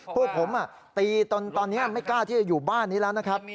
พวกผมตีจนตอนนี้ไม่กล้าที่จะอยู่บ้านนี้แล้วนะครับ